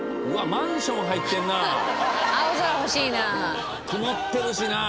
曇ってるしな。